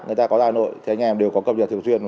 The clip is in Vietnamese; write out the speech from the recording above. người ta có ra nội thì anh em đều có công việc thường xuyên